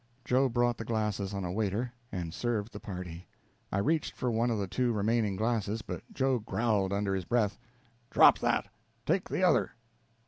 Joe brought the glasses on a waiter, and served the party. I reached for one of the two remaining glasses, but Joe growled under his breath: "Drop that! Take the other."